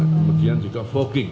kemudian juga fogging